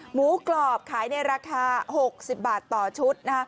หมูกรอบขายในราคา๖๐บาทต่อชุด